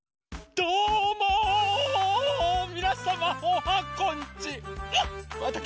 どうもみなさまおはこんちワン！